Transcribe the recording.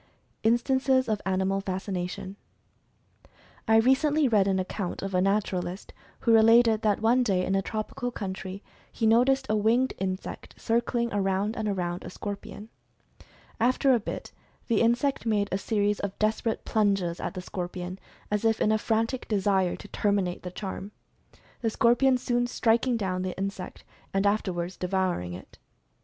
INSTANCES OF ANIMAL FASCINATION. I recently read an account of a naturalist, who re lated that one day in a tropical country he noticed a winged insect circling around and around a scorpion. 14 Mental Fascination After a bit, the insect made a series of desperate plunges at the scorpion, as if in a frantic desire to ter minate the charm ; the scorpion soon striking down the insect, and afterwards devouring it.